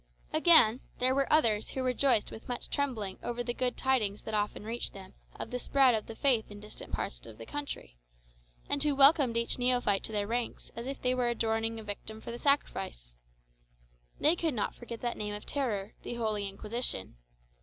Again, there were others who rejoiced with much trembling over the good tidings that often reached them of the spread of the faith in distant parts of the country, and who welcomed each neophyte to their ranks as if they were adorning a victim for the sacrifice. They could not forget that name of terror, the Holy Inquisition.